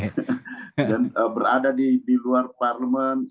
dan berada di luar parlemen